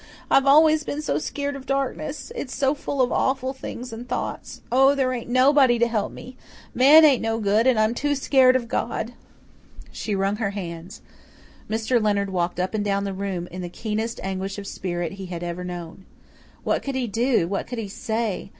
I've always been so skeered of darkness it's so full of awful things and thoughts. Oh, there ain't nobody to help me! Man ain't no good and I'm too skeered of God." She wrung her hands. Mr. Leonard walked up and down the room in the keenest anguish of spirit he had ever known. What could he do? What could he say?